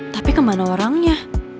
tapi kemana orangnya